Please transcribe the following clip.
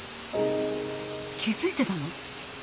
気付いてたの？